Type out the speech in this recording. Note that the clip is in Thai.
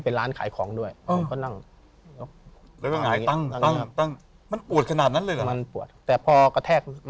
เป็นคนแก่ครับ